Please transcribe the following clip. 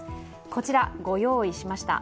こちら、ご用意しました。